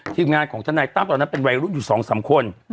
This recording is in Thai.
ทีมงานของทนายตั้มตอนนั้นเป็นวัยรุ่นอยู่๒๓คน